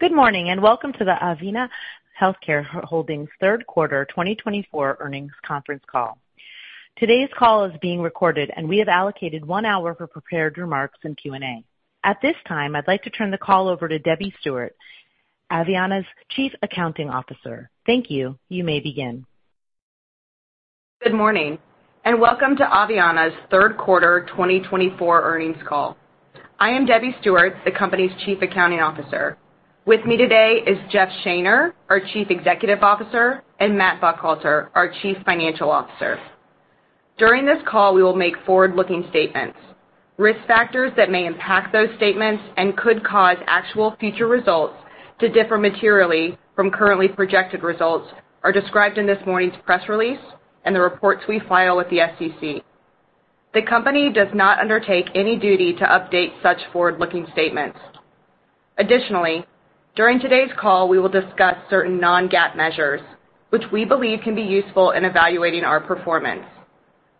Good morning and welcome to the Aveanna Healthcare Holdings' Third Quarter 2024 Earnings Conference Call. Today's call is being recorded, and we have allocated one hour for prepared remarks and Q&A. At this time, I'd like to turn the call over to Debbie Stewart, Aveanna's Chief Accounting Officer. Thank you. You may begin. Good morning and welcome to Aveanna's Third Quarter 2024 Earnings Call. I am Debbie Stewart, the company's Chief Accounting Officer. With me today is Jeff Shaner, our Chief Executive Officer, and Matt Buckhalter, our Chief Financial Officer. During this call, we will make forward-looking statements. Risk factors that may impact those statements and could cause actual future results to differ materially from currently projected results are described in this morning's press release and the reports we file with the SEC. The company does not undertake any duty to update such forward-looking statements. Additionally, during today's call, we will discuss certain non-GAAP measures, which we believe can be useful in evaluating our performance.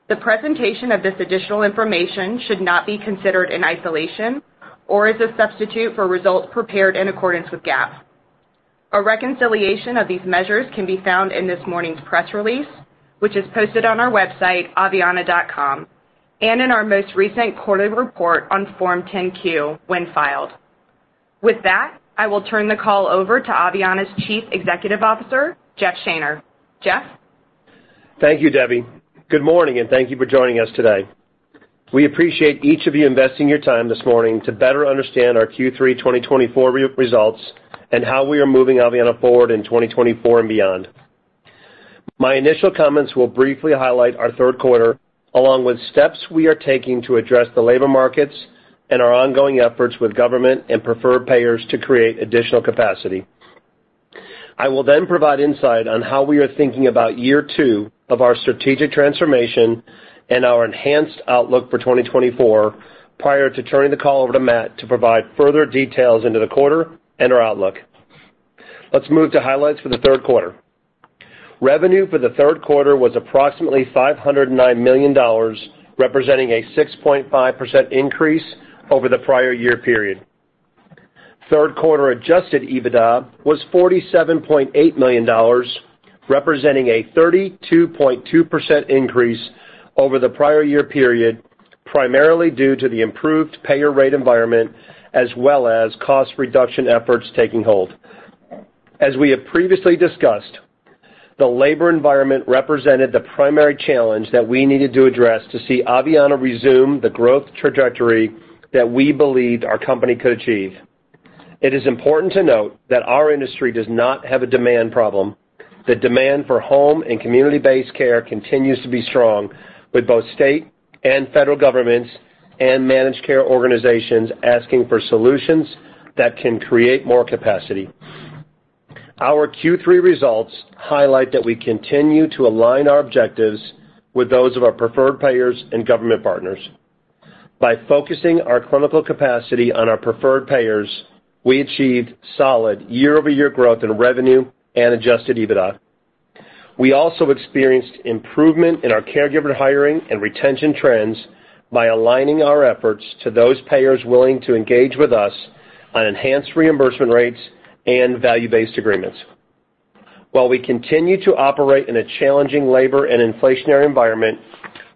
The presentation of this additional information should not be considered in isolation or as a substitute for results prepared in accordance with GAAP. A reconciliation of these measures can be found in this morning's press release, which is posted on our website, aveanna.com, and in our most recent quarterly report on Form 10-Q when filed. With that, I will turn the call over to Aveanna's Chief Executive Officer, Jeff Shaner. Jeff? Thank you, Debbie. Good morning and thank you for joining us today. We appreciate each of you investing your time this morning to better understand our Q3 2024 results and how we are moving Aveanna forward in 2024 and beyond. My initial comments will briefly highlight our third quarter, along with steps we are taking to address the labor markets and our ongoing efforts with government and preferred payers to create additional capacity. I will then provide insight on how we are thinking about year two of our strategic transformation and our enhanced outlook for 2024 prior to turning the call over to Matt to provide further details into the quarter and our outlook. Let's move to highlights for the third quarter. Revenue for the third quarter was approximately $509 million, representing a 6.5% increase over the prior year period. Third quarter adjusted EBITDA was $47.8 million, representing a 32.2% increase over the prior year period, primarily due to the improved payer rate environment as well as cost reduction efforts taking hold. As we have previously discussed, the labor environment represented the primary challenge that we needed to address to see Aveanna resume the growth trajectory that we believed our company could achieve. It is important to note that our industry does not have a demand problem. The demand for home and community-based care continues to be strong, with both state and federal governments and managed care organizations asking for solutions that can create more capacity. Our Q3 results highlight that we continue to align our objectives with those of our preferred payers and government partners. By focusing our clinical capacity on our preferred payers, we achieved solid year-over-year growth in revenue and adjusted EBITDA. We also experienced improvement in our caregiver hiring and retention trends by aligning our efforts to those payers willing to engage with us on enhanced reimbursement rates and value-based agreements. While we continue to operate in a challenging labor and inflationary environment,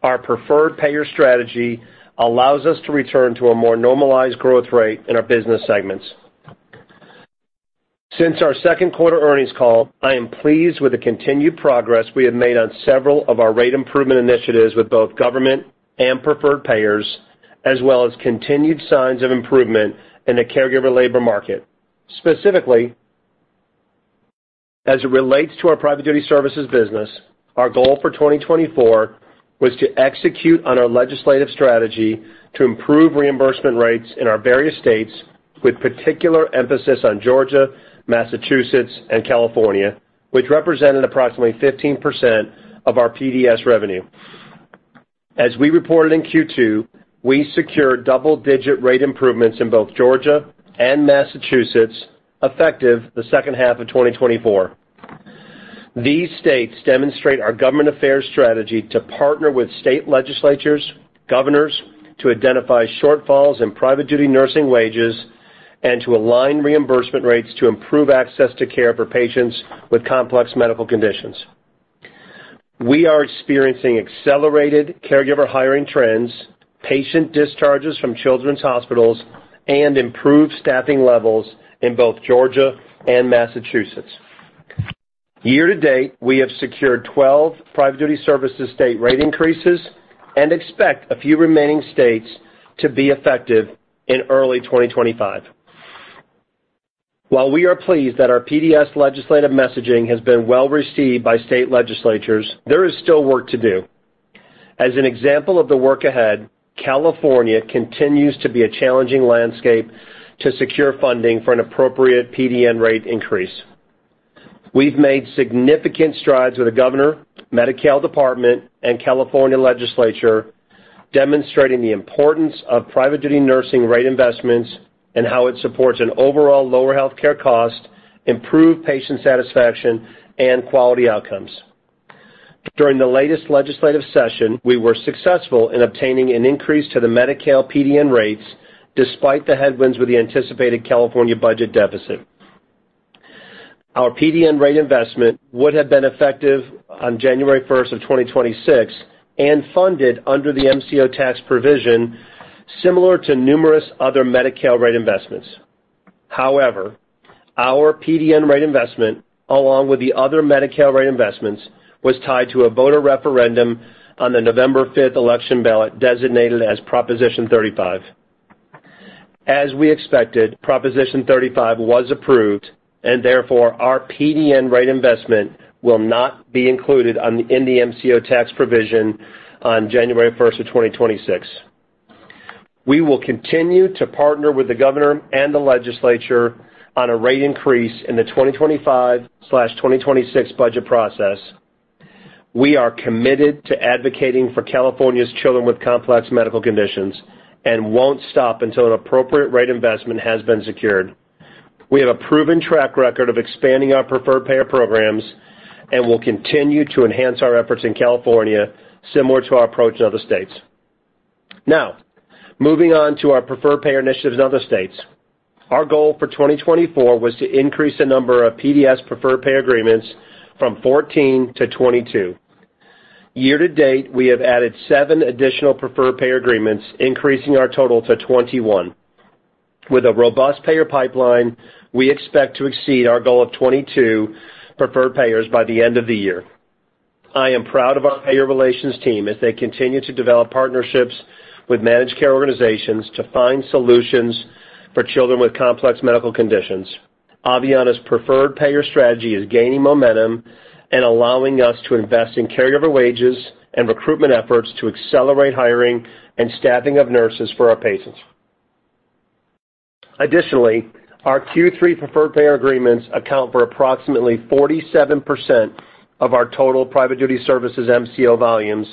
our preferred payer strategy allows us to return to a more normalized growth rate in our business segments. Since our second quarter earnings call, I am pleased with the continued progress we have made on several of our rate improvement initiatives with both government and preferred payers, as well as continued signs of improvement in the caregiver labor market. Specifically, as it relates to our Private Duty Services business, our goal for 2024 was to execute on our legislative strategy to improve reimbursement rates in our various states, with particular emphasis on Georgia, Massachusetts, and California, which represented approximately 15% of our PDS revenue. As we reported in Q2, we secured double-digit rate improvements in both Georgia and Massachusetts effective the second half of 2024. These states demonstrate our government affairs strategy to partner with state legislatures, governors, to identify shortfalls in private duty nursing wages, and to align reimbursement rates to improve access to care for patients with complex medical conditions. We are experiencing accelerated caregiver hiring trends, patient discharges from children's hospitals, and improved staffing levels in both Georgia and Massachusetts. Year to date, we have secured 12 Private Duty Services state rate increases and expect a few remaining states to be effective in early 2025. While we are pleased that our PDS legislative messaging has been well received by state legislatures, there is still work to do. As an example of the work ahead, California continues to be a challenging landscape to secure funding for an appropriate PDN rate increase. We've made significant strides with the governor, Medi-Cal Department, and California legislature, demonstrating the importance of private duty nursing rate investments and how it supports an overall lower healthcare cost, improved patient satisfaction, and quality outcomes. During the latest legislative session, we were successful in obtaining an increase to the Medi-Cal PDN rates despite the headwinds with the anticipated California budget deficit. Our PDN rate investment would have been effective on January 1st of 2026 and funded under the MCO tax provision, similar to numerous other Medi-Cal rate investments. However, our PDN rate investment, along with the other Medi-Cal rate investments, was tied to a voter referendum on the November 5th election ballot designated as Proposition 35. As we expected, Proposition 35 was approved, and therefore our PDN rate investment will not be included in the MCO tax provision on January 1st of 2026. We will continue to partner with the governor and the legislature on a rate increase in the 2025/2026 budget process. We are committed to advocating for California's children with complex medical conditions and won't stop until an appropriate rate investment has been secured. We have a proven track record of expanding our preferred payer programs and will continue to enhance our efforts in California, similar to our approach in other states. Now, moving on to our preferred payer initiatives in other states. Our goal for 2024 was to increase the number of PDS preferred payer agreements from 14 to 22. Year to date, we have added seven additional preferred payer agreements, increasing our total to 21. With a robust payer pipeline, we expect to exceed our goal of 22 preferred payers by the end of the year. I am proud of our payer relations team as they continue to develop partnerships with managed care organizations to find solutions for children with complex medical conditions. Aveanna's preferred payer strategy is gaining momentum and allowing us to invest in caregiver wages and recruitment efforts to accelerate hiring and staffing of nurses for our patients. Additionally, our Q3 preferred payer agreements account for approximately 47% of our total Private Duty Services MCO volumes,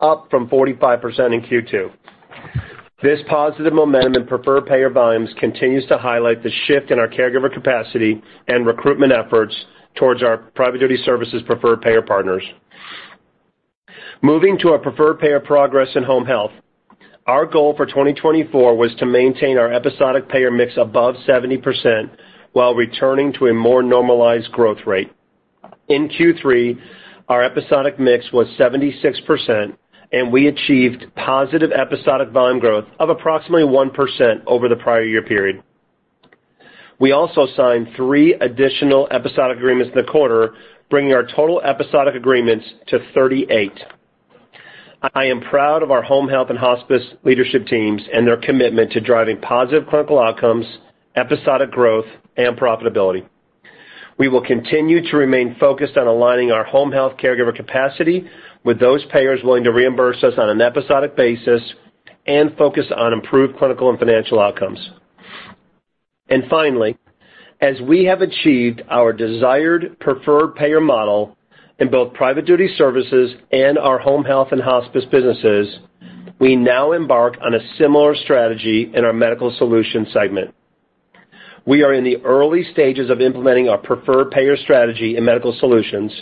up from 45% in Q2. This positive momentum in preferred payer volumes continues to highlight the shift in our caregiver capacity and recruitment efforts towards our Private Duty Services preferred payer partners. Moving to our preferred payer progress in home health, our goal for 2024 was to maintain our episodic payer mix above 70% while returning to a more normalized growth rate. In Q3, our episodic mix was 76%, and we achieved positive episodic volume growth of approximately 1% over the prior year period. We also signed three additional episodic agreements in the quarter, bringing our total episodic agreements to 38. I am proud of our Home Health and Hospice leadership teams and their commitment to driving positive clinical outcomes, episodic growth, and profitability. We will continue to remain focused on aligning our home health caregiver capacity with those payers willing to reimburse us on an episodic basis and focus on improved clinical and financial outcomes. Finally, as we have achieved our desired preferred payer model in both Private Duty Services and our Home Health and Hospice businesses, we now embark on a similar strategy in our Medical Solutions segment. We are in the early stages of implementing our preferred payer strategy in Medical Solutions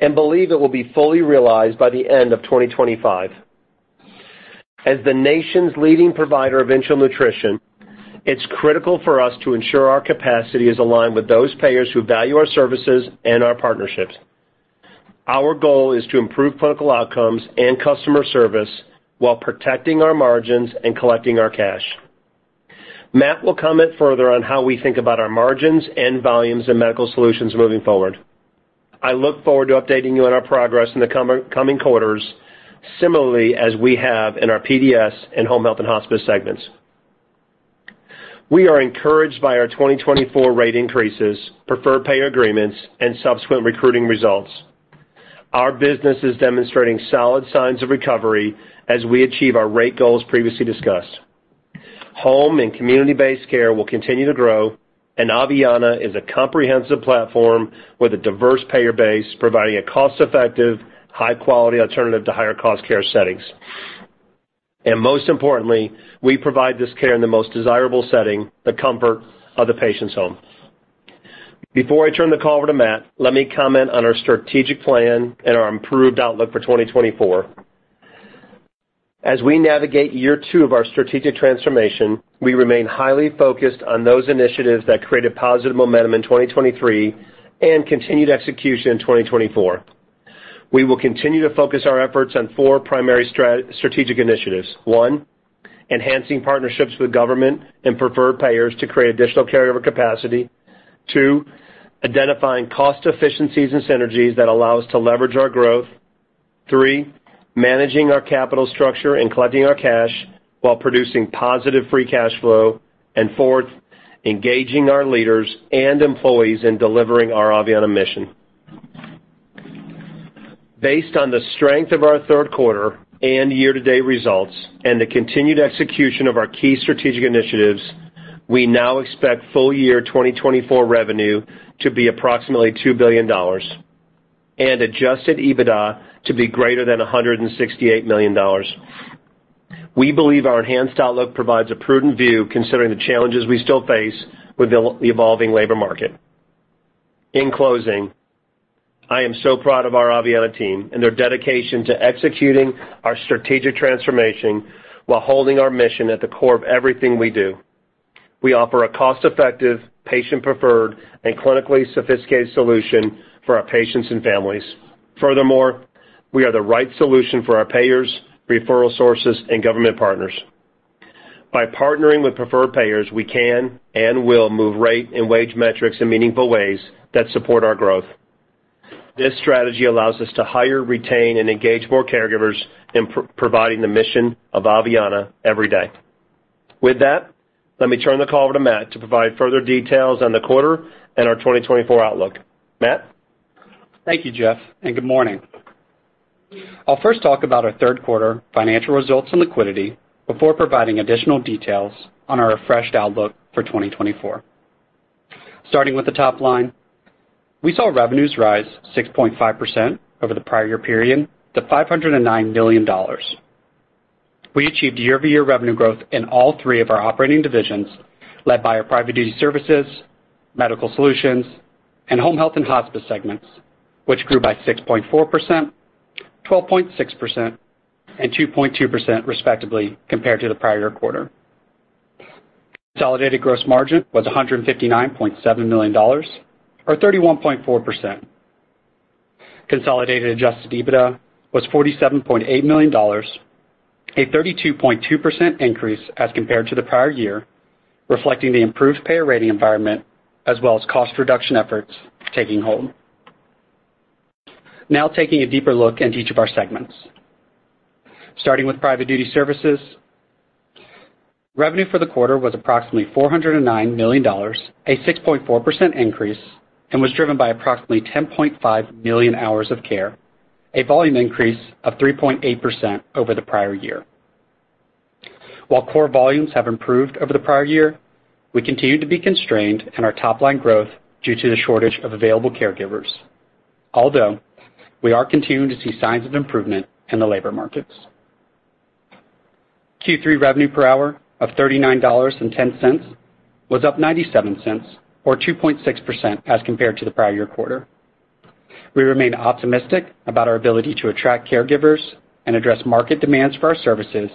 and believe it will be fully realized by the end of 2025. As the nation's leading provider of enteral nutrition, it's critical for us to ensure our capacity is aligned with those payers who value our services and our partnerships. Our goal is to improve clinical outcomes and customer service while protecting our margins and collecting our cash. Matt will comment further on how we think about our margins and volumes in Medical Solutions moving forward. I look forward to updating you on our progress in the coming quarters, similarly as we have in our PDS and Home Health and Hospice segments. We are encouraged by our 2024 rate increases, preferred payer agreements, and subsequent recruiting results. Our business is demonstrating solid signs of recovery as we achieve our rate goals previously discussed. Home and community-based care will continue to grow, and Aveanna is a comprehensive platform with a diverse payer base, providing a cost-effective, high-quality alternative to higher-cost care settings, and most importantly, we provide this care in the most desirable setting, the comfort of the patient's home. Before I turn the call over to Matt, let me comment on our strategic plan and our improved outlook for 2024. As we navigate year two of our strategic transformation, we remain highly focused on those initiatives that created positive momentum in 2023 and continued execution in 2024. We will continue to focus our efforts on four primary strategic initiatives. One, enhancing partnerships with government and preferred payers to create additional caregiver capacity. Two, identifying cost efficiencies and synergies that allow us to leverage our growth. Three, managing our capital structure and collecting our cash while producing positive free cash flow. Fourth, engaging our leaders and employees in delivering our Aveanna mission. Based on the strength of our third quarter and year-to-date results and the continued execution of our key strategic initiatives, we now expect full year 2024 revenue to be approximately $2 billion and Adjusted EBITDA to be greater than $168 million. We believe our enhanced outlook provides a prudent view considering the challenges we still face with the evolving labor market. In closing, I am so proud of our Aveanna team and their dedication to executing our strategic transformation while holding our mission at the core of everything we do. We offer a cost-effective, patient-preferred, and clinically sophisticated solution for our patients and families. Furthermore, we are the right solution for our payers, referral sources, and government partners. By partnering with preferred payers, we can and will move rate and wage metrics in meaningful ways that support our growth. This strategy allows us to hire, retain, and engage more caregivers in providing the mission of Aveanna every day. With that, let me turn the call over to Matt to provide further details on the quarter and our 2024 outlook. Matt. Thank you, Jeff, and good morning. I'll first talk about our third quarter financial results and liquidity before providing additional details on our refreshed outlook for 2024. Starting with the top line, we saw revenues rise 6.5% over the prior year period to $509 million. We achieved year-over-year revenue growth in all three of our operating divisions led by our Private Duty Services, Medical Solutions, and Home Health and Hospice segments, which grew by 6.4%, 12.6%, and 2.2% respectively compared to the prior quarter. Consolidated gross margin was $159.7 million, or 31.4%. Consolidated adjusted EBITDA was $47.8 million, a 32.2% increase as compared to the prior year, reflecting the improved payer rate environment as well as cost reduction efforts taking hold. Now taking a deeper look into each of our segments. Starting with Private Duty Services, revenue for the quarter was approximately $409 million, a 6.4% increase, and was driven by approximately 10.5 million hours of care, a volume increase of 3.8% over the prior year. While core volumes have improved over the prior year, we continue to be constrained in our top-line growth due to the shortage of available caregivers, although we are continuing to see signs of improvement in the labor markets. Q3 revenue per hour of $39.10 was up $0.97, or 2.6% as compared to the prior year quarter. We remain optimistic about our ability to attract caregivers and address market demands for our services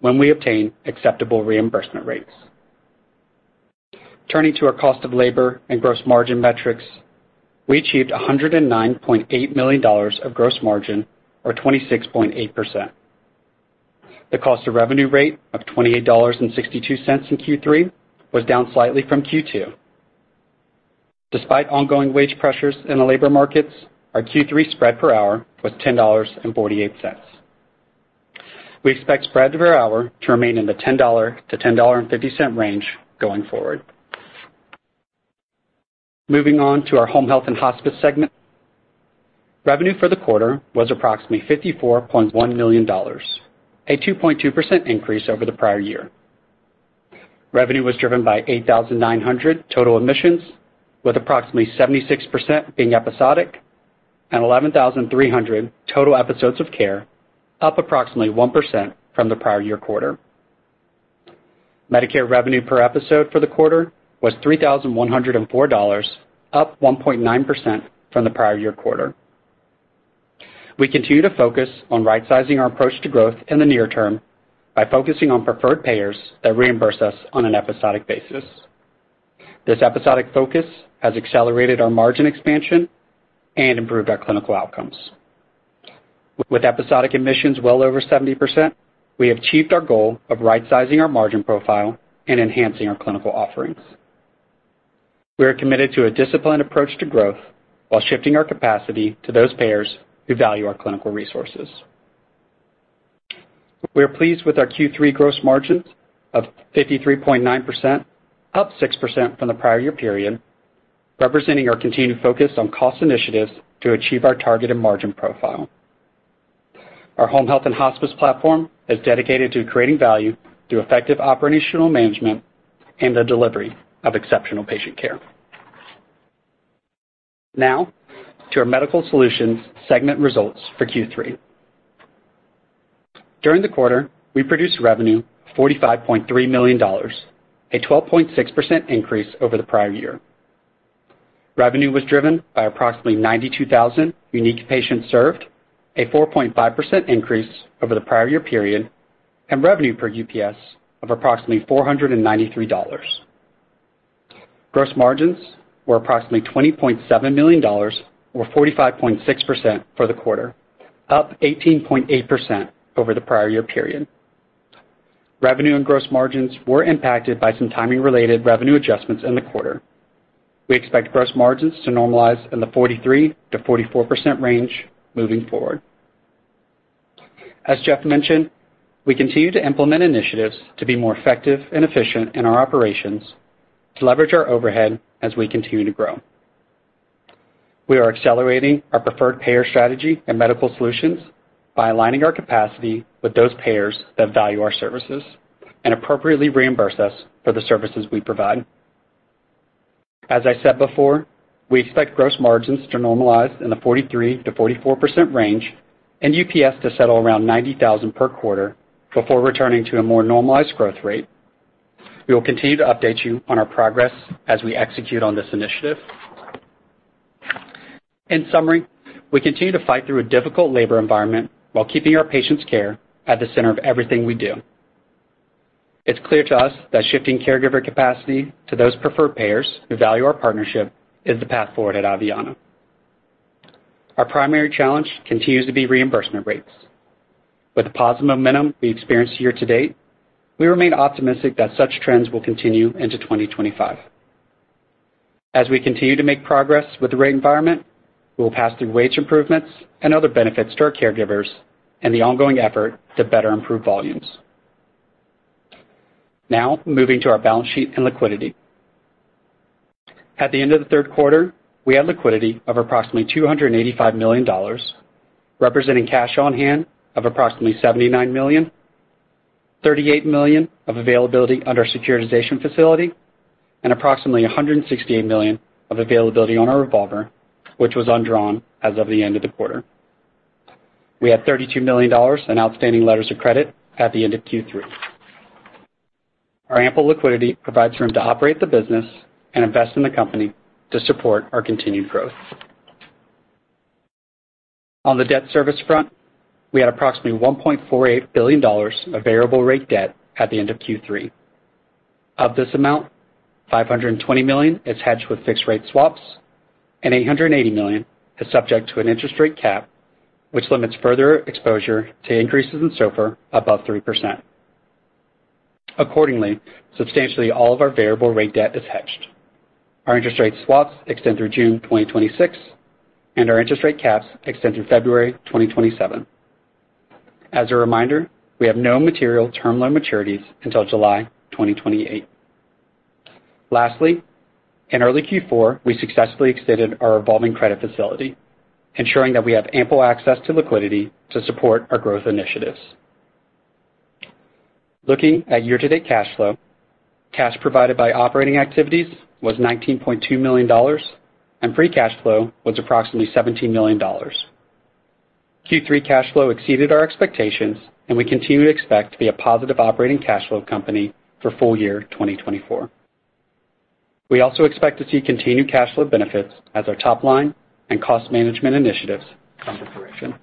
when we obtain acceptable reimbursement rates. Turning to our cost of labor and gross margin metrics, we achieved $109.8 million of gross margin, or 26.8%. The cost of revenue rate of $28.62 in Q3 was down slightly from Q2. Despite ongoing wage pressures in the labor markets, our Q3 spread per hour was $10.48. We expect spread per hour to remain in the $10-$10.50 range going forward. Moving on to our Home Health and Hospice segment, revenue for the quarter was approximately $54.1 million, a 2.2% increase over the prior year. Revenue was driven by 8,900 total admissions, with approximately 76% being episodic and 11,300 total episodes of care, up approximately 1% from the prior year quarter. Medicare revenue per episode for the quarter was $3,104, up 1.9% from the prior year quarter. We continue to focus on right-sizing our approach to growth in the near term by focusing on preferred payers that reimburse us on an episodic basis. This episodic focus has accelerated our margin expansion and improved our clinical outcomes. With episodic admissions well over 70%, we have achieved our goal of right-sizing our margin profile and enhancing our clinical offerings. We are committed to a disciplined approach to growth while shifting our capacity to those payers who value our clinical resources. We are pleased with our Q3 gross margins of 53.9%, up 6% from the prior year period, representing our continued focus on cost initiatives to achieve our targeted margin profile. Our Home Health and Hospice platform is dedicated to creating value through effective operational management and the delivery of exceptional patient care. Now, to our medical solutions segment results for Q3. During the quarter, we produced revenue of $45.3 million, a 12.6% increase over the prior year. Revenue was driven by approximately 92,000 unique patients served, a 4.5% increase over the prior year period, and revenue per UPS of approximately $493. Gross margins were approximately $20.7 million, or 45.6% for the quarter, up 18.8% over the prior year period. Revenue and gross margins were impacted by some timing-related revenue adjustments in the quarter. We expect gross margins to normalize in the 43%-44% range moving forward. As Jeff mentioned, we continue to implement initiatives to be more effective and efficient in our operations to leverage our overhead as we continue to grow. We are accelerating our preferred payer strategy and Medical Solutions by aligning our capacity with those payers that value our services and appropriately reimburse us for the services we provide. As I said before, we expect gross margins to normalize in the 43%-44% range and UPS to settle around 90,000 per quarter before returning to a more normalized growth rate. We will continue to update you on our progress as we execute on this initiative. In summary, we continue to fight through a difficult labor environment while keeping our patients' care at the center of everything we do. It's clear to us that shifting caregiver capacity to those preferred payers who value our partnership is the path forward at Aveanna. Our primary challenge continues to be reimbursement rates. With the positive momentum we experienced year to date, we remain optimistic that such trends will continue into 2025. As we continue to make progress with the rate environment, we will pass through wage improvements and other benefits to our caregivers and the ongoing effort to better improve volumes. Now, moving to our balance sheet and liquidity. At the end of the third quarter, we had liquidity of approximately $285 million, representing cash on hand of approximately $79 million, $38 million of availability under securitization facility, and approximately $168 million of availability on a revolver, which was undrawn as of the end of the quarter. We had $32 million in outstanding letters of credit at the end of Q3. Our ample liquidity provides room to operate the business and invest in the company to support our continued growth. On the debt service front, we had approximately $1.48 billion of variable rate debt at the end of Q3. Of this amount, $520 million is hedged with fixed rate swaps, and $880 million is subject to an interest rate cap, which limits further exposure to increases in SOFR above 3%. Accordingly, substantially all of our variable rate debt is hedged. Our interest rate swaps extend through June 2026, and our interest rate caps extend through February 2027. As a reminder, we have no material term loan maturities until July 2028. Lastly, in early Q4, we successfully extended our revolving credit facility, ensuring that we have ample access to liquidity to support our growth initiatives. Looking at year-to-date cash flow, cash provided by operating activities was $19.2 million, and free cash flow was approximately $17 million. Q3 cash flow exceeded our expectations, and we continue to expect to be a positive operating cash flow company for full year 2024. We also expect to see continued cash flow benefits as our top-line and cost management initiatives come to fruition.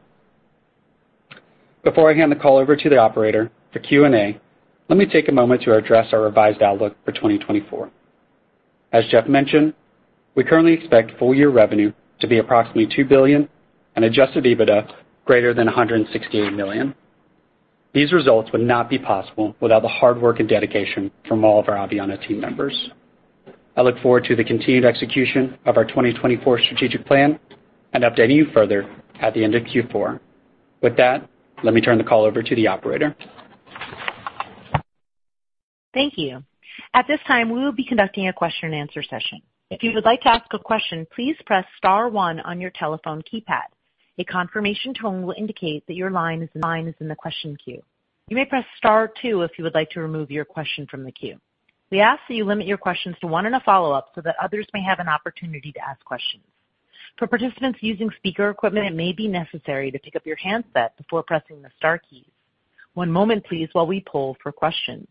Before I hand the call over to the operator for Q&A, let me take a moment to address our revised outlook for 2024. As Jeff mentioned, we currently expect full year revenue to be approximately $2 billion and Adjusted EBITDA greater than $168 million. These results would not be possible without the hard work and dedication from all of our Aveanna team members. I look forward to the continued execution of our 2024 strategic plan and updating you further at the end of Q4. With that, let me turn the call over to the operator. Thank you. At this time, we will be conducting a question-and-answer session. If you would like to ask a question, please press Star one on your telephone keypad. A confirmation tone will indicate that your line is in the question queue. You may press Star two if you would like to remove your question from the queue. We ask that you limit your questions to one and a follow-up so that others may have an opportunity to ask questions. For participants using speaker equipment, it may be necessary to pick up your handset before pressing the Star keys. One moment, please, while we pull for questions.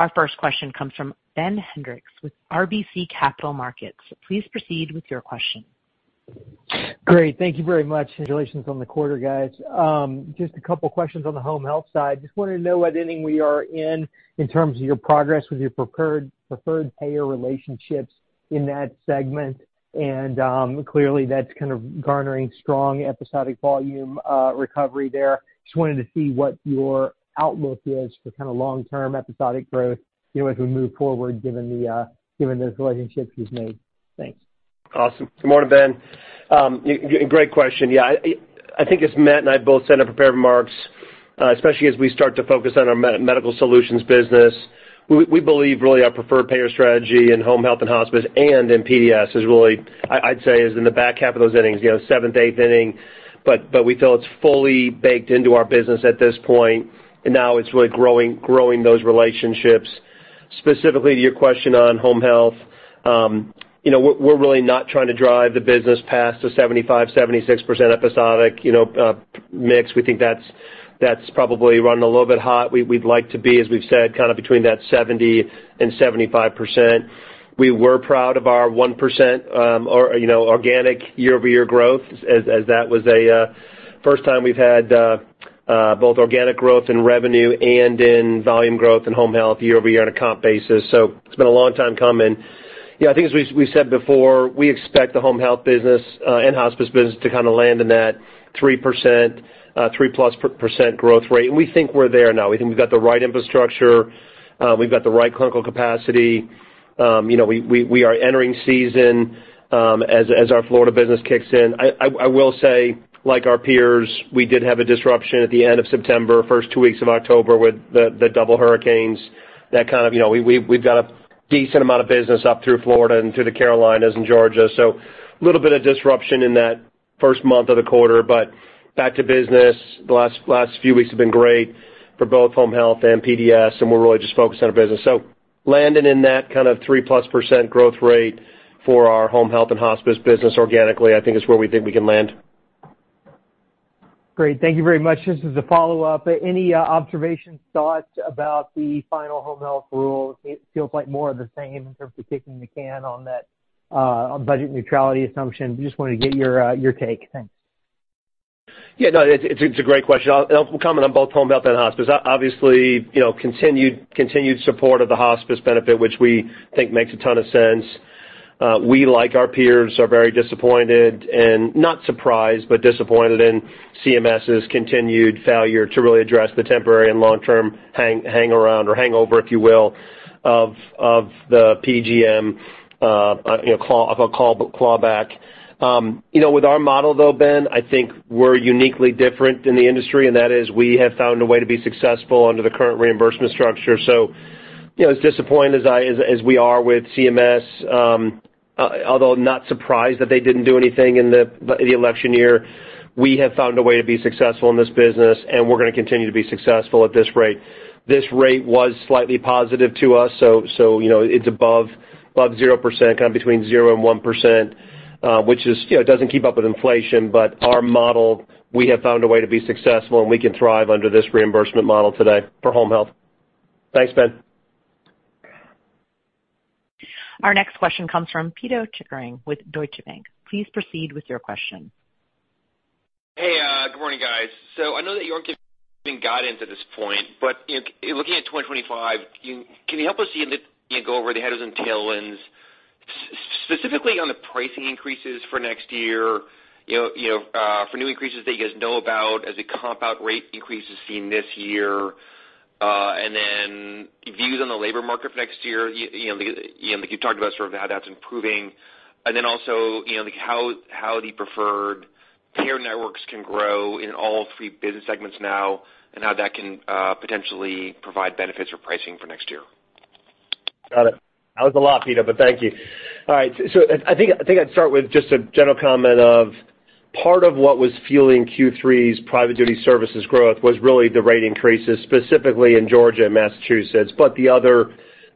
Our first question comes from Ben Hendrix with RBC Capital Markets. Please proceed with your question. Great. Thank you very much. Congratulations on the quarter, guys. Just a couple of questions on the home health side. Just wanted to know what inning we are in in terms of your progress with your preferred payer relationships in that segment, and clearly, that's kind of garnering strong episodic volume recovery there. Just wanted to see what your outlook is for kind of long-term episodic growth as we move forward given the relationships you've made. Thanks. Awesome. Good morning, Ben. Great question. Yeah. I think as Matt and I both said in our prepared remarks, especially as we start to focus on our Medical Solutions business, we believe really our preferred payer strategy in Home Health and Hospice and in PDS is really, I'd say, is in the back half of those innings, seventh, eighth inning. But we feel it's fully baked into our business at this point. And now it's really growing those relationships. Specifically to your question on home health, we're really not trying to drive the business past the 75%, 76% episodic mix. We think that's probably running a little bit hot. We'd like to be, as we've said, kind of between that 70% and 75%. We were proud of our 1% organic year-over-year growth as that was the first time we've had both organic growth in revenue and in volume growth in home health year-over-year on a comp basis. So it's been a long time coming. Yeah, I think as we said before, we expect the home health business and hospice business to kind of land in that 3%, 3-plus% growth rate. And we think we're there now. We think we've got the right infrastructure. We've got the right clinical capacity. We are entering season as our Florida business kicks in. I will say, like our peers, we did have a disruption at the end of September, first two weeks of October with the double hurricanes. That kind of we've got a decent amount of business up through Florida and through the Carolinas and Georgia. So a little bit of disruption in that first month of the quarter, but back to business. The last few weeks have been great for both home health and PDS, and we're really just focused on our business. So landing in that kind of 3-plus% growth rate for our Home Health and Hospice business organically, I think is where we think we can land. Great. Thank you very much. Just as a follow-up, any observations, thoughts about the final home health rule? It feels like more of the same in terms of kicking the can on that budget neutrality assumption. Just wanted to get your take. Thanks. Yeah. No, it's a great question. I'll comment on both Home Health and Hospice. Obviously, continued support of the hospice benefit, which we think makes a ton of sense. We, like our peers, are very disappointed and not surprised, but disappointed in CMS's continued failure to really address the temporary and long-term hang-around or hangover, if you will, of the PDGM clawback. With our model, though, Ben, I think we're uniquely different in the industry, and that is we have found a way to be successful under the current reimbursement structure. As disappointed as we are with CMS, although not surprised that they didn't do anything in the election year, we have found a way to be successful in this business, and we're going to continue to be successful at this rate. This rate was slightly positive to us, so it's above 0%, kind of between 0 and 1%, which doesn't keep up with inflation. But our model, we have found a way to be successful, and we can thrive under this reimbursement model today for home health. Thanks, Ben. Our next question comes from Pito Chickering with Deutsche Bank. Please proceed with your question. Hey, good morning, guys. So I know that you aren't giving guidance at this point, but looking at 2025, can you help us go over the headwinds and tailwinds, specifically on the pricing increases for next year, for new increases that you guys know about as the compound rate increases seen this year, and then views on the labor market for next year, like you've talked about sort of how that's improving, and then also how the preferred payer networks can grow in all three business segments now and how that can potentially provide benefits for pricing for next year? Got it. That was a lot, Pito, but thank you. All right. So I think I'd start with just a general comment of part of what was fueling Q3's Private Duty Services growth was really the rate increases, specifically in Georgia and Massachusetts, but the other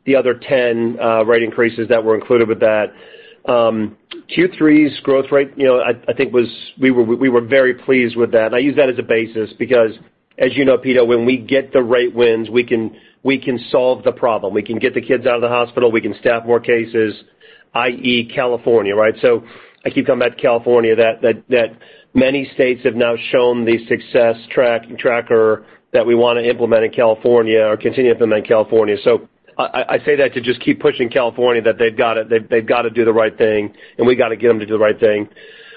10 rate increases that were included with that. Q3's growth rate, I think we were very pleased with that. And I use that as a basis because, as you know, Pito, when we get the rate wins, we can solve the problem. We can get the kids out of the hospital. We can staff more cases, i.e., California, right? So I keep coming back to California. That many states have now shown the success track record that we want to implement in California or continue to implement in California. So I say that to just keep pushing California that they've got to do the right thing, and we've got to get them to do the right thing.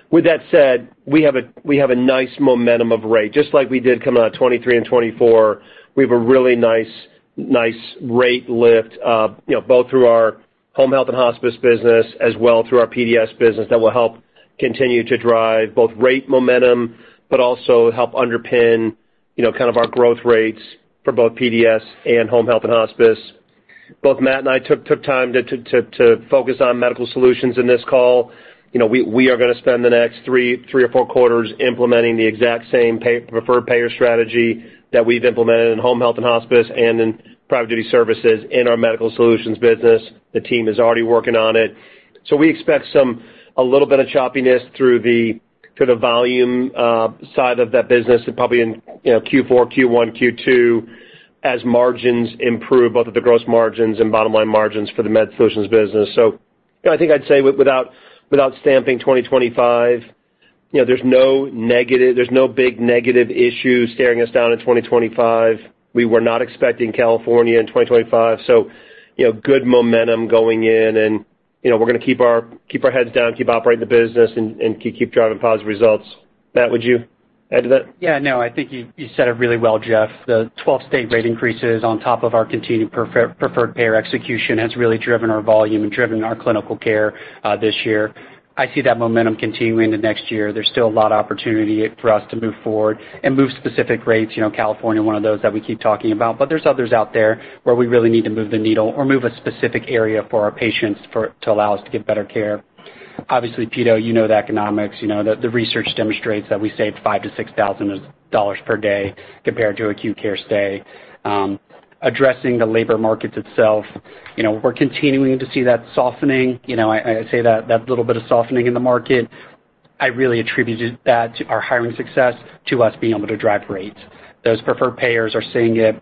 With that said, we have a nice momentum of rate. Just like we did coming out of 2023 and 2024, we have a really nice rate lift both through our Home Health and Hospice business as well through our PDS business that will help continue to drive both rate momentum, but also help underpin kind of our growth rates for both PDS and Home Health and Hospice. Both Matt and I took time to focus on Medical Solutions in this call. We are going to spend the next three or four quarters implementing the exact same preferred payer strategy that we've implemented in Home Health and Hospice and in Private Duty Services in our Medical Solutions business. The team is already working on it. So we expect a little bit of choppiness through the volume side of that business and probably in Q4, Q1, Q2 as margins improve, both of the gross margins and bottom line margins for the Medical Solutions business. So I think I'd say without stamping 2025, there's no big negative issues staring us down in 2025. We were not expecting California in 2025. So good momentum going in, and we're going to keep our heads down, keep operating the business, and keep driving positive results. Matt, would you add to that? Yeah. No, I think you said it really well, Jeff. The 12-state rate increases on top of our continued preferred payer execution has really driven our volume and driven our clinical care this year. I see that momentum continuing into next year. There's still a lot of opportunity for us to move forward and move specific rates. California is one of those that we keep talking about, but there's others out there where we really need to move the needle or move a specific area for our patients to allow us to get better care. Obviously, Pito, you know the economics. The research demonstrates that we save $5,000-$6,000 per day compared to acute care stay. Addressing the labor markets itself, we're continuing to see that softening. I say that little bit of softening in the market. I really attribute that to our hiring success, to us being able to drive rates. Those preferred payers are seeing it.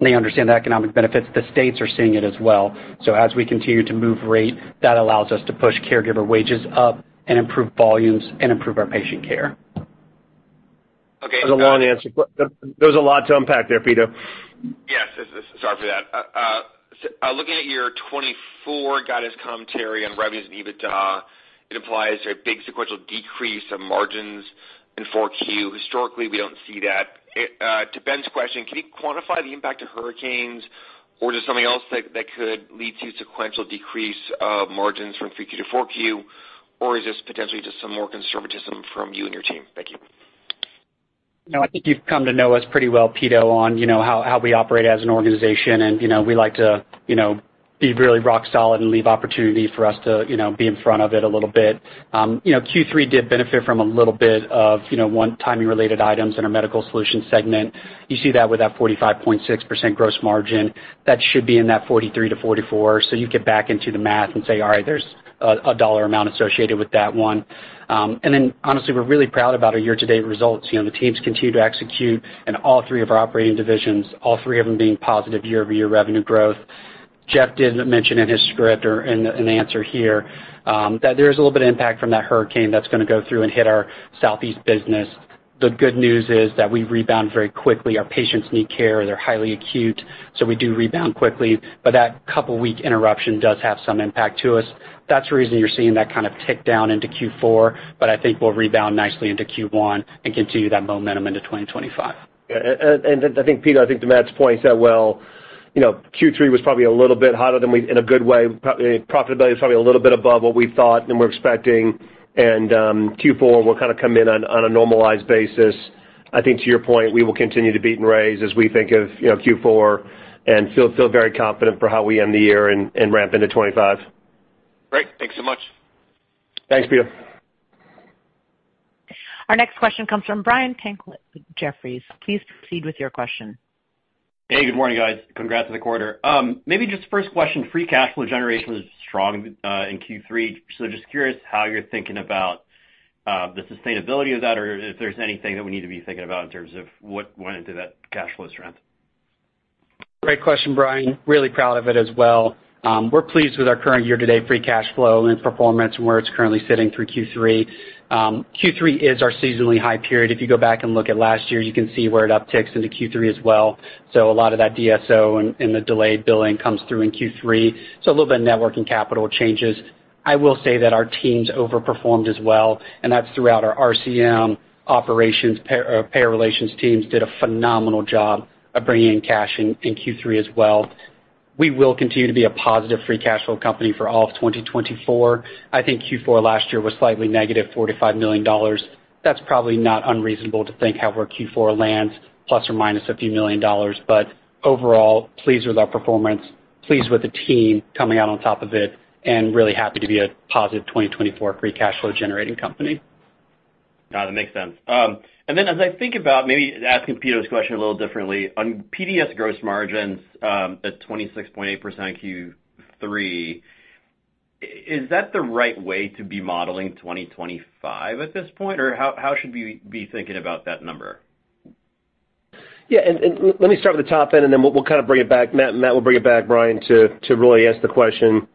They understand the economic benefits. The states are seeing it as well. So as we continue to move rate, that allows us to push caregiver wages up and improve volumes and improve our patient care. Okay. There's a long answer. There was a lot to unpack there, Pito. Yes. Sorry for that. Looking at your 2024 guidance commentary, and revenues and EBITDA, it implies a big sequential decrease of margins in 4Q. Historically, we don't see that. To Ben's question, can you quantify the impact of hurricanes, or is there something else that could lead to sequential decrease of margins from 3Q to 4Q, or is this potentially just some more conservatism from you and your team? Thank you. No, I think you've come to know us pretty well, Pito, on how we operate as an organization. And we like to be really rock solid and leave opportunity for us to be in front of it a little bit. Q3 did benefit from a little bit of one timing-related items in our Medical Solutions segment. You see that with that 45.6% gross margin. That should be in that 43%-44%. So you get back into the math and say, "All right, there's a dollar amount associated with that one." And then, honestly, we're really proud about our year-to-date results. The teams continue to execute in all three of our operating divisions, all three of them being positive year-over-year revenue growth. Jeff did mention in his script or in the answer here that there is a little bit of impact from that hurricane that's going to go through and hit our southeast business. The good news is that we rebound very quickly. Our patients need care. They're highly acute. So we do rebound quickly. But that couple-week interruption does have some impact to us. That's the reason you're seeing that kind of tick down into Q4, but I think we'll rebound nicely into Q1 and continue that momentum into 2025. I think, Pito, I think to Matt's point, he said, "Well, Q3 was probably a little bit hotter than we in a good way. Profitability was probably a little bit above what we thought and were expecting." Q4 will kind of come in on a normalized basis. I think to your point, we will continue to beat and raise as we think of Q4 and feel very confident for how we end the year and ramp into 2025. Great. Thanks so much. Thanks, Pito. Our next question comes from Brian Tanquilut with Jefferies. Please proceed with your question. Hey, good morning, guys. Congrats on the quarter. Maybe just first question, free cash flow generation was strong in Q3. So just curious how you're thinking about the sustainability of that or if there's anything that we need to be thinking about in terms of what went into that cash flow strength. Great question, Brian. Really proud of it as well. We're pleased with our current year-to-date free cash flow and performance and where it's currently sitting through Q3. Q3 is our seasonally high period. If you go back and look at last year, you can see where it upticks into Q3 as well. So a lot of that DSO and the delayed billing comes through in Q3. So a little bit of working capital changes. I will say that our teams overperformed as well, and that's throughout our RCM operations. Payer relations teams did a phenomenal job of bringing in cash in Q3 as well. We will continue to be a positive free cash flow company for all of 2024. I think Q4 last year was slightly negative, $45 million. That's probably not unreasonable to think how our Q4 lands, plus or minus a few million dollars. But overall, pleased with our performance, pleased with the team coming out on top of it, and really happy to be a positive 2024 free cash flow generating company. Got it. That makes sense. And then as I think about maybe asking Pito this question a little differently, on PDS gross margins at 26.8% Q3, is that the right way to be modeling 2025 at this point, or how should we be thinking about that number? Yeah. And let me start with the top end, and then we'll kind of bring it back. Matt will bring it back, Brian, to really ask the question.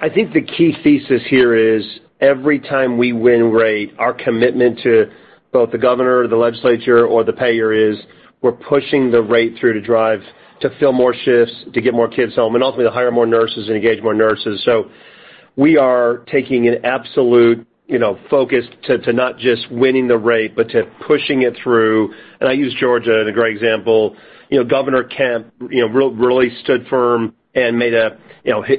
I think the key thesis here is every time we win rate, our commitment to both the governor, the legislature, or the payer is we're pushing the rate through to drive to fill more shifts, to get more kids home, and ultimately to hire more nurses and engage more nurses. So we are taking an absolute focus to not just winning the rate, but to pushing it through. And I use Georgia as a great example. Governor Kemp really stood firm and made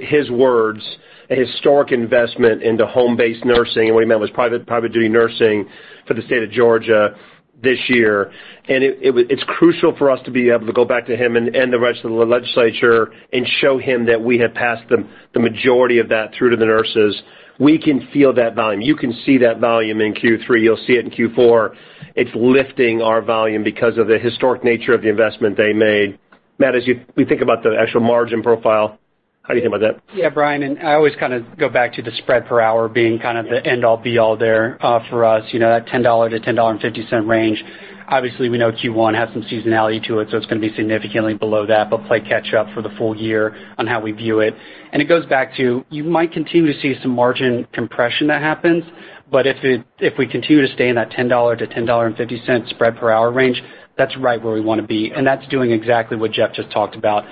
his words a historic investment into home-based nursing, and what he meant was private duty nursing for the state of Georgia this year. And it's crucial for us to be able to go back to him and the rest of the legislature and show him that we have passed the majority of that through to the nurses. We can feel that volume. You can see that volume in Q3. You'll see it in Q4. It's lifting our volume because of the historic nature of the investment they made. Matt, as we think about the actual margin profile, how do you think about that? Yeah, Brian. And I always kind of go back to the spread per hour being kind of the end-all, be-all there for us, that $10-$10.50 range. Obviously, we know Q1 has some seasonality to it, so it's going to be significantly below that, but play catch-up for the full year on how we view it. And it goes back to you might continue to see some margin compression that happens, but if we continue to stay in that $10-$10.50 spread per hour range, that's right where we want to be. And that's doing exactly what Jeff just talked about: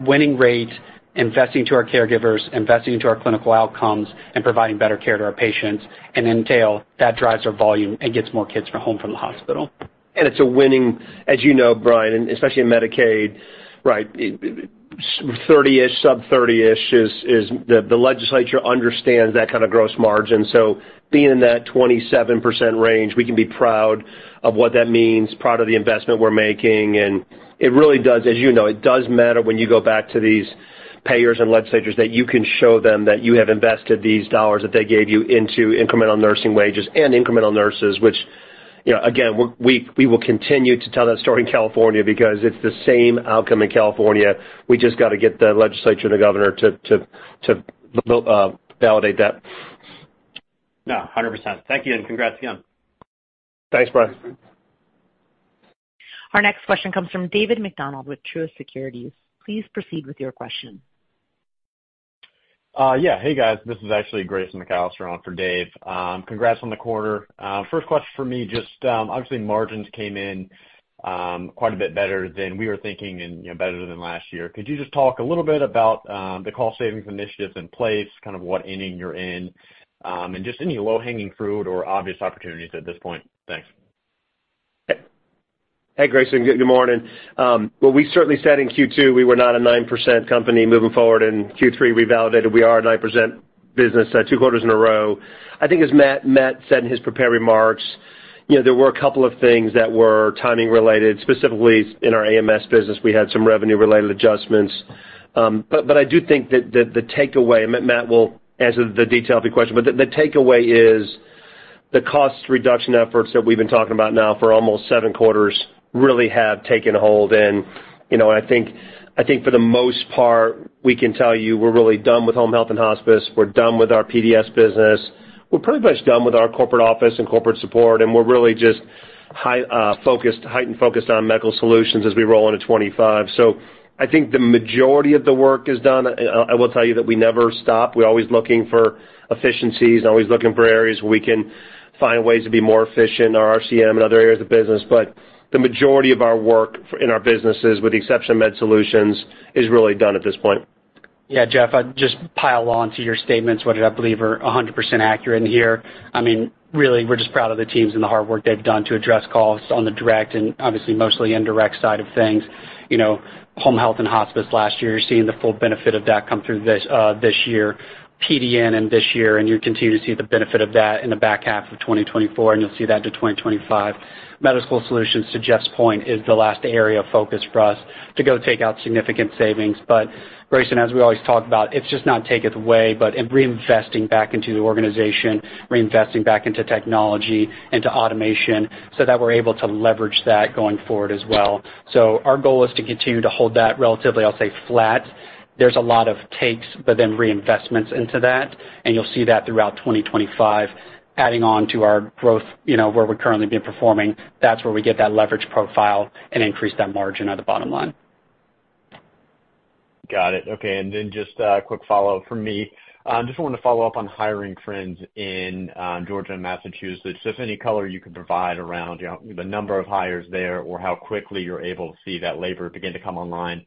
winning rates, investing to our caregivers, investing to our clinical outcomes, and providing better care to our patients. And in turn, that drives our volume and gets more kids home from the hospital. And it's a winning, as you know, Brian, and especially in Medicaid, right? 30-ish, sub-30-ish is what the legislature understands that kind of gross margin. So being in that 27% range, we can be proud of what that means, proud of the investment we're making. And it really does, as you know, it does matter when you go back to these payers and legislators that you can show them that you have invested these dollars that they gave you into incremental nursing wages and incremental nurses, which, again, we will continue to tell that story in California because it's the same outcome in California. We just got to get the legislature and the governor to validate that. No, 100%. Thank you, and congrats again. Thanks, Brian. Our next question comes from David MacDonald with Truist Securities. Please proceed with your question. Yeah. Hey, guys. This is actually Grayson McAlister on for David. Congrats on the quarter. First question for me, just obviously, margins came in quite a bit better than we were thinking and better than last year. Could you just talk a little bit about the cost-savings initiatives in place, kind of what ending you're in, and just any low-hanging fruit or obvious opportunities at this point? Thanks. Hey, Grayson. Good morning. Well, we certainly said in Q2 we were not a 9% company. Moving forward in Q3, we validated we are a 9% business two quarters in a row. I think as Matt said in his prepared remarks, there were a couple of things that were timing-related. Specifically, in our AMS business, we had some revenue-related adjustments. But I do think that the takeaway, and Matt will answer the detail of the question, but the takeaway is the cost reduction efforts that we've been talking about now for almost seven quarters really have taken hold. And I think for the most part, we can tell you we're really done with Home Health and Hospice. We're done with our PDS business. We're pretty much done with our corporate office and corporate support. And we're really just heightened focused on Medical Solutions as we roll into 2025. So I think the majority of the work is done. I will tell you that we never stop. We're always looking for efficiencies and always looking for areas where we can find ways to be more efficient: our RCM and other areas of business. But the majority of our work in our businesses, with the exception of Medical Solutions, is really done at this point. Yeah, Jeff, I'd just pile on to your statements, which I believe are 100% accurate in here. I mean, really, we're just proud of the teams and the hard work they've done to address costs on the direct and obviously mostly indirect side of things. Home Health and Hospice last year, you're seeing the full benefit of that come through this year. PDN in this year, and you'll continue to see the benefit of that in the back half of 2024, and you'll see that to 2025. Medical Solutions, to Jeff's point, is the last area of focus for us to go take out significant savings. But Grayson, as we always talk about, it's just not take it away, but reinvesting back into the organization, reinvesting back into technology, into automation so that we're able to leverage that going forward as well. So our goal is to continue to hold that relatively, I'll say, flat. There's a lot of takes, but then reinvestments into that, and you'll see that throughout 2025. Adding on to our growth, where we're currently being performing, that's where we get that leverage profile and increase that margin at the bottom line. Got it. Okay. And then just a quick follow-up from me. I just wanted to follow up on hiring trends in Georgia and Massachusetts. If any color you could provide around the number of hires there or how quickly you're able to see that labor begin to come online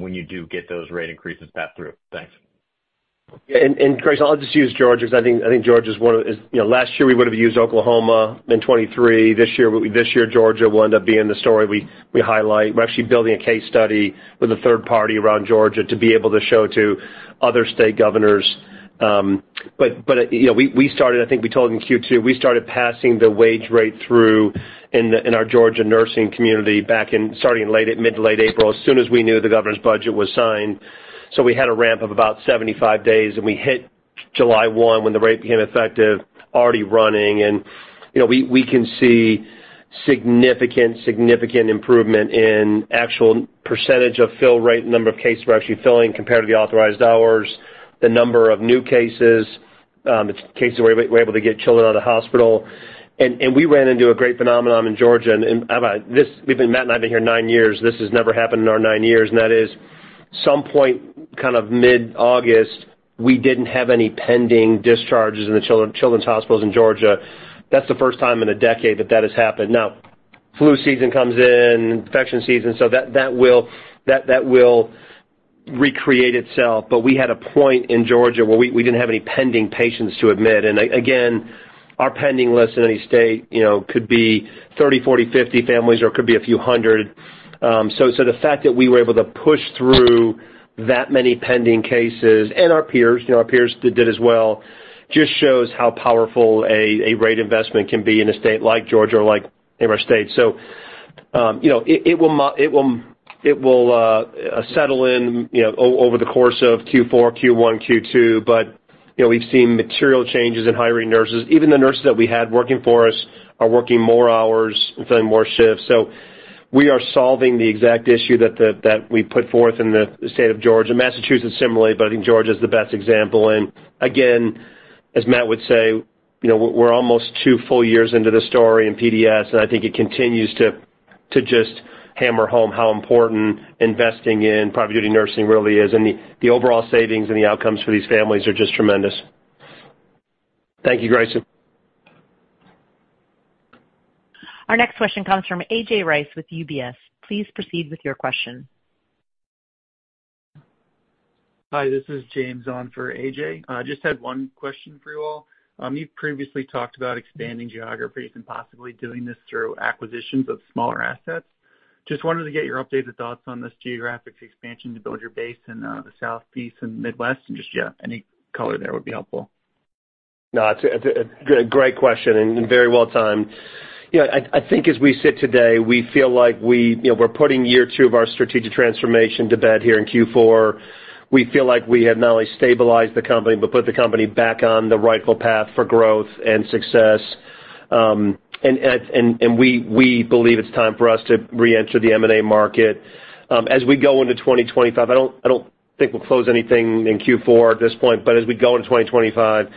when you do get those rate increases back through? Thanks. Grayson, I'll just use Georgia because I think Georgia is one of last year. We would have used Oklahoma in 2023. This year, Georgia will end up being the story we highlight. We're actually building a case study with a third party around Georgia to be able to show to other state governors. But we started. I think we told in Q2. We started passing the wage rate through in our Georgia nursing community back in starting mid to late April, as soon as we knew the governor's budget was signed. So we had a ramp of about 75 days, and we hit July 1 when the rate became effective, already running. We can see significant, significant improvement in actual percentage of fill rate, the number of cases we're actually filling compared to the authorized hours, the number of new cases, cases where we're able to get children out of the hospital. We ran into a great phenomenon in Georgia. Matt and I have been here nine years. This has never happened in our nine years. That is some point kind of mid-August, we didn't have any pending discharges in the children's hospitals in Georgia. That's the first time in a decade that that has happened. Now, flu season comes in, infection season. So that will recreate itself. But we had a point in Georgia where we didn't have any pending patients to admit. Again, our pending list in any state could be 30, 40, 50 families, or it could be a few hundred. So the fact that we were able to push through that many pending cases and our peers, our peers did as well, just shows how powerful a rate investment can be in a state like Georgia or like any of our states. So it will settle in over the course of Q4, Q1, Q2. But we've seen material changes in hiring nurses. Even the nurses that we had working for us are working more hours and filling more shifts. So we are solving the exact issue that we put forth in the state of Georgia. Massachusetts similarly, but I think Georgia is the best example. And again, as Matt would say, we're almost two full years into the story in PDS, and I think it continues to just hammer home how important investing in private duty nursing really is. And the overall savings and the outcomes for these families are just tremendous. Thank you, Grayson. Our next question comes from A.J. Rice with UBS. Please proceed with your question. Hi, this is James on for A.J. I just had one question for you all. You've previously talked about expanding geographies and possibly doing this through acquisitions of smaller assets. Just wanted to get your updated thoughts on this geographic expansion to build your base in the Southeast and Midwest. And just, yeah, any color there would be helpful. No, it's a great question and very well timed. I think as we sit today, we feel like we're putting year two of our strategic transformation to bed here in Q4. We feel like we have not only stabilized the company but put the company back on the rightful path for growth and success. We believe it's time for us to re-enter the M&A market. As we go into 2025, I don't think we'll close anything in Q4 at this point. But as we go into 2025,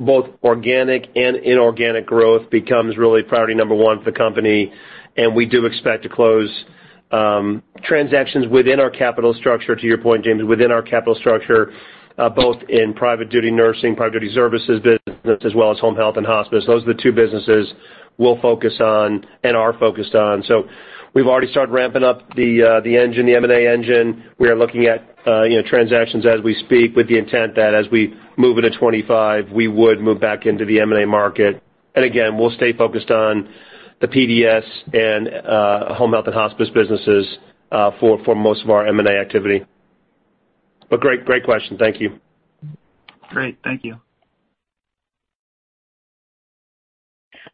both organic and inorganic growth becomes really priority number one for the company. And we do expect to close transactions within our capital structure, to your point, James, within our capital structure, both in private duty nursing, Private Duty Services business, as well as Home Health and Hospice. Those are the two businesses we'll focus on and are focused on. So we've already started ramping up the engine, the M&A engine. We are looking at transactions as we speak with the intent that as we move into 2025, we would move back into the M&A market. And again, we'll stay focused on the PDS and Home Health and Hospice businesses for most of our M&A activity. But great question. Thank you. Great. Thank you.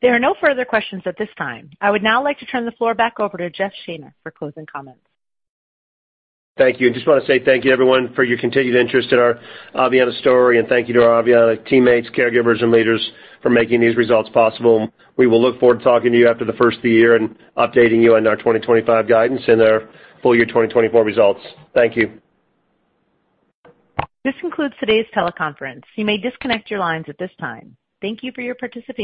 There are no further questions at this time. I would now like to turn the floor back over to Jeff Shaner for closing comments. Thank you. And just want to say thank you, everyone, for your continued interest in our Aveanna story. And thank you to our Aveanna teammates, caregivers, and leaders for making these results possible. We will look forward to talking to you after the first of the year and updating you on our 2025 guidance and our full year 2024 results. Thank you. This concludes today's teleconference. You may disconnect your lines at this time. Thank you for your participation.